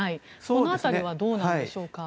この辺りはどうなんでしょうか。